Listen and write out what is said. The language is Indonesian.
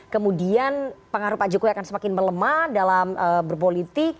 kemudian pengaruh pak jokowi akan semakin melemah dalam berpolitik